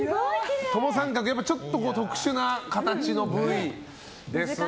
トモサンカクちょっと特殊な形の部位ですが。